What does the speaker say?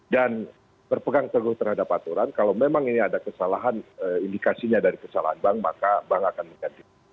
dan berpegang terguruh terhadap aturan kalau memang ini ada kesalahan indikasinya dari kesalahan bank maka bank akan mengganti